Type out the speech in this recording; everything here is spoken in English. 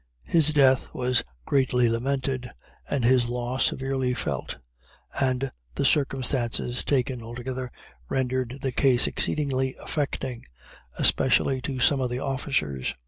His death was greatly lamented, and his loss severely felt and the circumstances taken altogether, rendered the case exceedingly affecting, especially to some of the officers.